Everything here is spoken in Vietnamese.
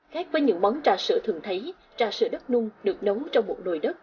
khác với những món trà sữa thường thấy trà sữa đất nung được nấu trong một nồi đất